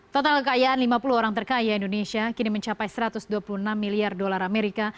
total kekayaan lima puluh orang terkaya indonesia kini mencapai satu ratus dua puluh enam miliar dolar amerika